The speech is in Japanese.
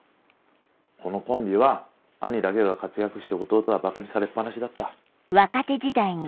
このコンビは兄だけが活躍して弟はばかにされっぱなしだった。